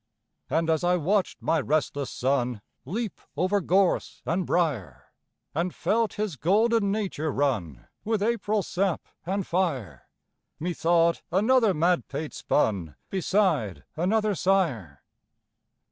And as I watched my restless son Leap over gorse and briar, And felt his golden nature run With April sap and fire, Methought another madpate spun Beside another sire.